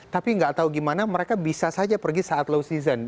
tapi nggak tahu gimana mereka bisa saja pergi saat low season